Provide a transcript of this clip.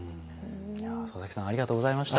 佐々木さんありがとうございました。